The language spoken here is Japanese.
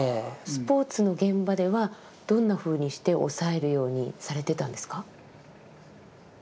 スポーツの現場ではどんなふうにして抑えるようにされてたんですか？